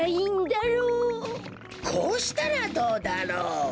こうしたらどうだろう？